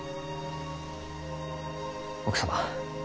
奥様